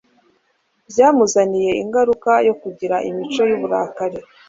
byamuzaniye ingaruka yo kugira imico y’uburakari,